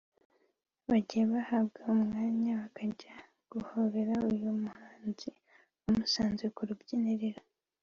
bagiye bahabwa umwanya bakajya guhobera uyu muhanzi bamusanze ku rubyiniro